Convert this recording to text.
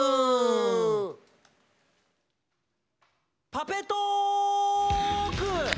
「パペトーーク」。